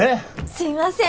すいません！